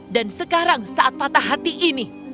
dan sekarang saat patah hati ini